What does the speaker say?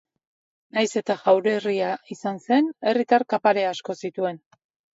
Nahiz eta jaurerria izan zen, herritar kapare asko zituen.